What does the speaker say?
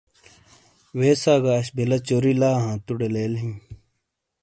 ویسا گہ اش بِیلہ چوری لا ہاں ۔توڑے لیل ہی۔